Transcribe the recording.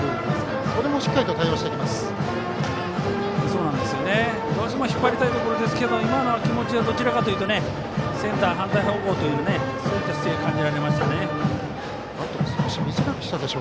どうしても引っ張りたいところですが今の気持ちはどちらかというとセンター反対方向という姿勢です。